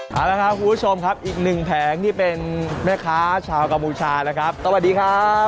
เอาละครับคุณผู้ชมครับอีกหนึ่งแผงนี่เป็นแม่ค้าชาวกัมพูชานะครับสวัสดีครับ